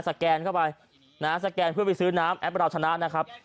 แกนเข้าไปนะฮะสแกนเพื่อไปซื้อน้ำแอปเราชนะนะครับ